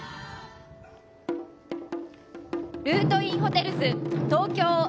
ルートインホテルズ・東京。